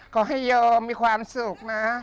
ขอให้โยมมีความสุขนะ